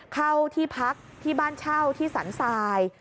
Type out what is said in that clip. เข้าที่พักที่บ้านเช่าที่สรรทราย